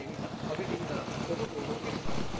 開けてみたらお向こうのお菊さんだ。